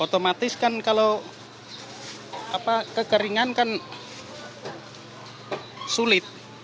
otomatis kan kalau kekeringan kan sulit